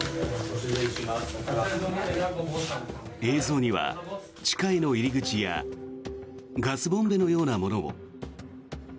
映像には地下への入り口やガスボンベのようなものも。